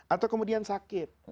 atau kemudian sakit